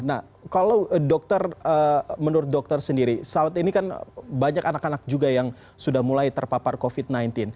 nah kalau dokter menurut dokter sendiri saud ini kan banyak anak anak juga yang sudah mulai terpapar covid sembilan belas